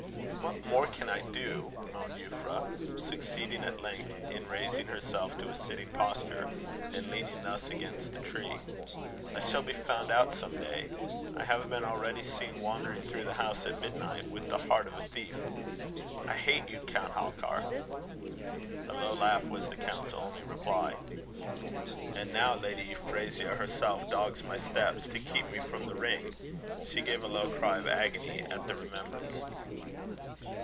"What more can I do?" moaned Euphra, succeeding at length in raising herself to a sitting posture, and leaning thus against a tree. "I shall be found out some day. I have been already seen wandering through the house at midnight, with the heart of a thief. I hate you, Count Halkar!" A low laugh was the count's only reply. "And now Lady Euphrasia herself dogs my steps, to keep me from the ring." She gave a low cry of agony at the remembrance.